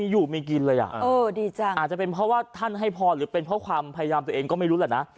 อยู่มีกินเลยอ่ะเออดีจังอาจจะเป็นเพราะว่าท่านให้พรหรือเป็นเพราะความพยายามตัวเองก็ไม่รู้แหละนะ